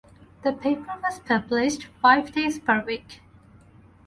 The paper was published five days per week.